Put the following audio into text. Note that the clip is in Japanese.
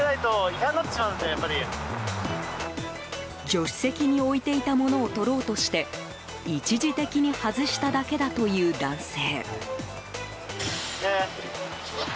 助手席に置いていた物を取ろうとして一時的に外しただけだという男性。